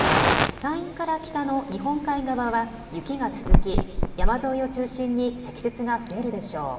山陰から北の日本海側は雪が続き山沿いを中心に積雪が増えるでしょう。